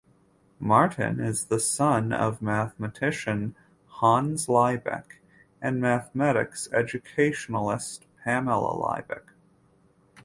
Martin is the son of mathematician Hans Liebeck and mathematics educationalist Pamela Liebeck.